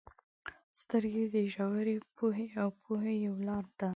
• سترګې د ژورې پوهې او پوهې یو لار ده.